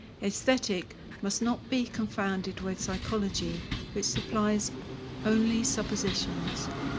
Aesthetic must not be confounded with Psychology, which supplies only suppositions.